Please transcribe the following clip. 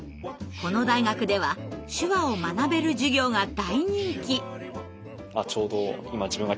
この大学では手話を学べる授業が大人気。